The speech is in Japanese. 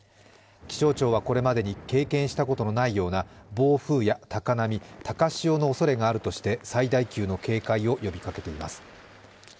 気象庁は、これまでに経験したことのないような暴風や高波、高潮のおそれがあるとして最大級の警戒を呼びかけています。